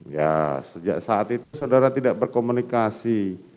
ya sejak saat itu saudara tidak berkomunikasi